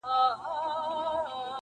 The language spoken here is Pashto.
o ښه پر بدوښه هغه دي قاسم یاره,